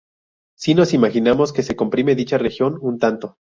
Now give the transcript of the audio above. Si nos imaginamos que se comprime dicha región un tanto.